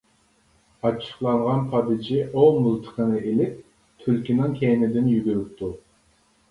ئاچچىقلانغان پادىچى ئوۋ مىلتىقىنى ئېلىپ تۈلكىنىڭ كەينىدىن يۈگۈرۈپتۇ.